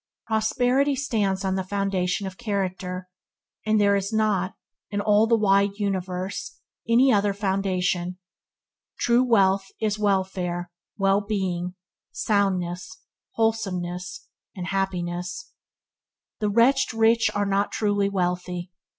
Prosperity stands on the foundation of character, and there is not, in all the wide universe, any other foundation. True wealth is weal, welfare, well being, soundness, wholeness, and happiness. The wretched rich are not truly wealthy.